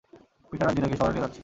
পিট আর জিনাকে শহরে নিয়ে যাচ্ছি।